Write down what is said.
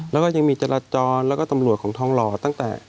แล้วก็ยังมีจราจรแล้วก็ตำรวจของทองหล่อตั้งแต่